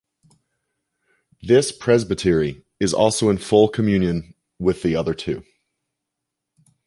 This Presbytery is also in full communion with the other two.